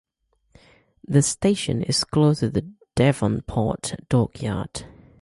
The station is close to the Devonport dockyard.